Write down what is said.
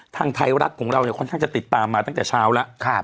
ทางไทยรัฐของเราเนี่ยค่อนข้างจะติดตามมาตั้งแต่เช้าแล้ว